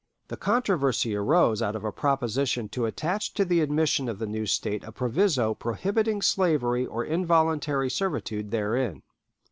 The controversy arose out of a proposition to attach to the admission of the new State a proviso prohibiting slavery or involuntary servitude therein.